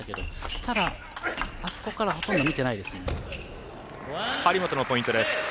ただ、あそこからほとんど見ていないですね。